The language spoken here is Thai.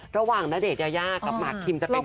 ระหว่างณเดชุและหมากคิมจะเป็นหลาย